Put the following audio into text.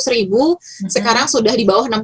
seratus ribu sekarang sudah di bawah